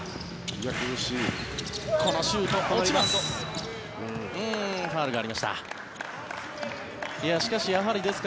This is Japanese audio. このシュート、落ちます。